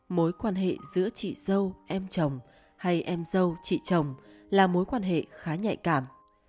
mối quan hệ giữa chị dâu em chồng hay em dâu chị chồng là mối quan hệ khá nhạy cảm